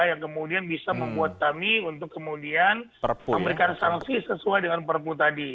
yang kemudian bisa membuat kami untuk kemudian memberikan sanksi sesuai dengan perpu tadi